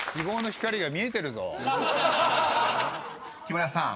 ［木村さん